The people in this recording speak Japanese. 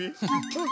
うん。